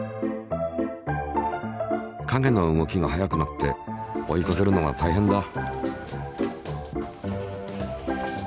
影の動きが速くなって追いかけるのがたいへんだ。